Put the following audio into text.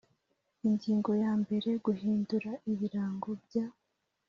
Ingingo yambere Guhindura ibirango bya